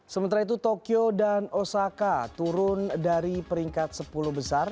sementara itu tokyo dan osaka turun dari peringkat sepuluh besar